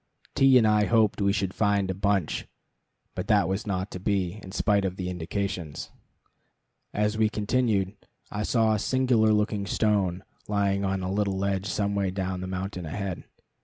T and I hoped we should find a bunch, but that was not to be, in spite of the indications. As we continued, I saw a singular looking stone lying on a little ledge some way down the mountain ahead.